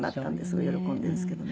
ごい喜んでいるんですけどね。